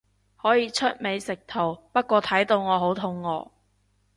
可以出美食圖，不過睇到我好肚餓